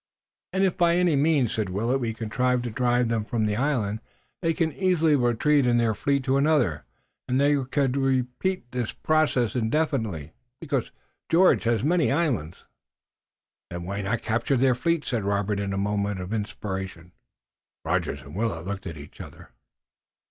"And if by any means," said Willet, "we contrive to drive them from the island, they can easily retreat in their fleet to another, and they could repeat the process indefinitely. George has many islands." "Then why not capture their fleet?" said Robert in a moment of inspiration. Rogers and Willet looked at each other.